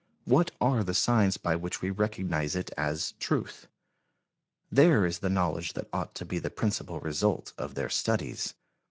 What are the signs by which we recognize it as truth? There is the knowledge that ought to be the principal result of their studies.